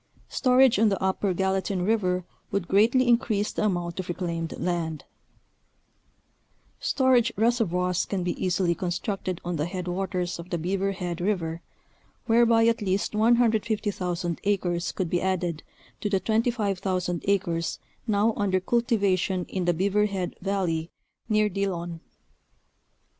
Storage on the Upper Gallatin River would greatly increase the amount of reclaimed land. Storage reservoirs can be easily constructed on the headwaters of the Beaver Head River, whereby at least 150,000 acres could be added to the 25,000 acres now under cultivation in the Beaver Head Valley near Dillon.